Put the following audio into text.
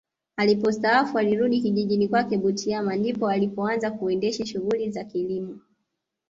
Alipostaafu alirudi kijijini kwake Butiama ndipo alianza kuendesha shughuli za kilimo